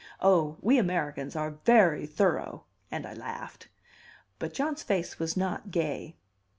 Oh, we Americans are very thorough!" And I laughed. But John's face was not gay.